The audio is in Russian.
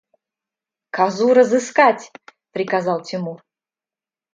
– Козу разыскать! – приказал Тимур.